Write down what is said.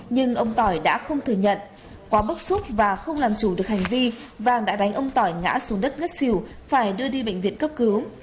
nhưng ông tỏi đã không thừa nhận quá bức xúc và không làm chủ được hành vi vàng đã đánh ông tỏi ngã xuống đất ngất xỉu phải đưa đi bệnh viện cấp cứu